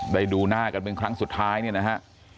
ดูหน้ากันเป็นครั้งสุดท้ายเนี่ยนะฮะ